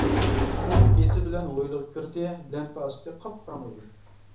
ئۇ ئېتى بىلەن ھويلىغا كىردى، لەمپە ئاستى قاپقاراڭغۇ ئىدى.